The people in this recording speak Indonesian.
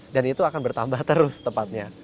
dan itu akan bertambah terus tepatnya